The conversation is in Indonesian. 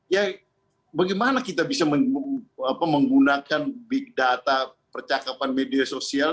ya bagaimana kita bisa menggunakan big data percakapan media sosial